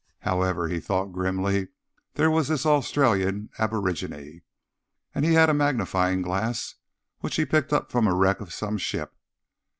However, he thought grimly, there was this Australian aborigine. And he had a magnifying glass, which he'd picked up from the wreck of some ship.